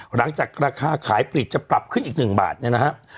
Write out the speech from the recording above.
หลังจากราคาขายปลีกจะปรับขึ้นอีก๑บาทเนี่ยนะครับ